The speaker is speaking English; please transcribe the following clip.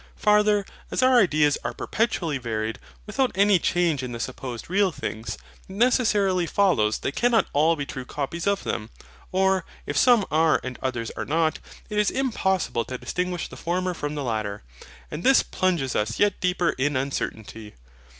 Farther, as our ideas are perpetually varied, without any change in the supposed real things, it necessarily follows they cannot all be true copies of them: or, if some are and others are not, it is impossible to distinguish the former from the latter. And this plunges us yet deeper in uncertainty.